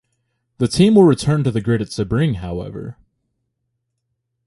The team will return to the grid at Sebring however.